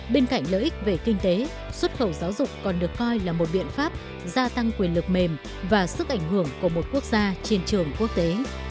bên cạnh lợi ích về kinh tế xuất khẩu giáo dục còn được coi là một biện pháp gia tăng quyền lực mềm và sức ảnh hưởng của một quốc gia trên trường quốc tế